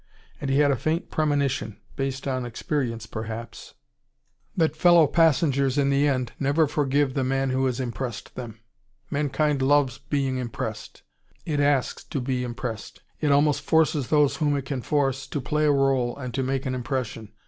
And he had a faint premonition, based on experience perhaps, that fellow passengers in the end never forgive the man who has "impressed" them. Mankind loves being impressed. It asks to be impressed. It almost forces those whom it can force to play a role and to make an impression.